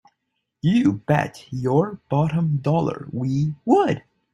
You bet your bottom dollar we would!